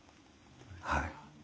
はい。